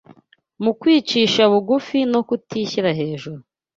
mu kwicisha bugufi no kutishyira hejuru